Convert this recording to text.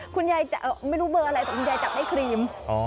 คุณยายจะไม่รู้เบอร์อะไรแต่คุณยายจับได้ครีม